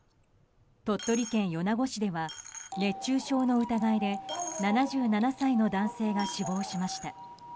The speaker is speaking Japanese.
鳥取県米子市では熱中症の疑いで７７歳の男性が死亡しました。